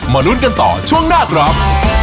ลุ้นกันต่อช่วงหน้าครับ